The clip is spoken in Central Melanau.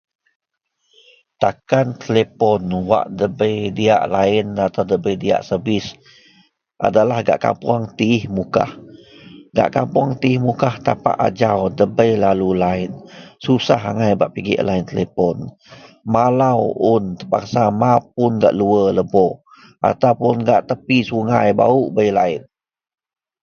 takan telepon wak debei diyak laien atau debei diyak servis adalah gak kapoung teih mukah, gak kapuong teih mukah tapak ajau debei lalu laien, susah agai bak pigek laien telepon, malar un terpaksa mapun gak luar lebok ataupun gak tepi Sungai baruk bei laien.